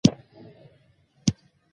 زه د خپلو افکارو په بیان کې صادق یم.